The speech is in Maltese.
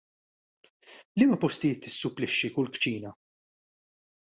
Liema postijiet tissupplixxi kull kċina?